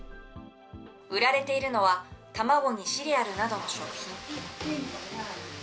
売られているのは、卵にシリアルなどの食品。